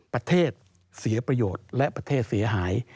ประเทศเสียประโยชน์และประเทศเสียหาย